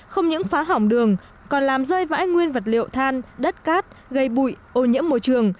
không những phá hỏng đường còn làm rơi vãi nguyên vật liệu than đất cát gây bụi ô nhiễm môi trường